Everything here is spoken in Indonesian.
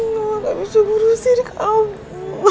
mama gak bisa berusir kamu